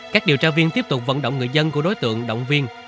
các điều tra viên tiếp tục vận động người dân của đối tượng động viên